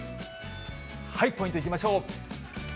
ポイントいきましょう。